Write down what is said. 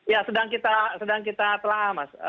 ya sedang kita telah mas